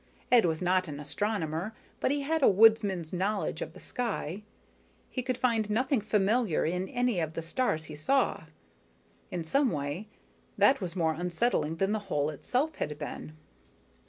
Ed was not an astronomer, but he had a woodsman's knowledge of the sky. He could find nothing familiar in any of the stars he saw. In some way, that was more unsettling than the hole itself had been.